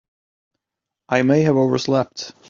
I may have overslept.